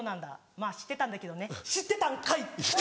まぁ知ってたんだけどね知ってたんかい！」。